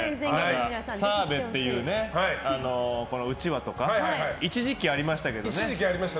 澤部っていううちわとか一時期ありましたけどね。